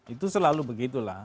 itu selalu begitu lah